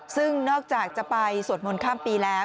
ซึ่งนอกจากจะไปสวดมนต์ข้ามปีแล้ว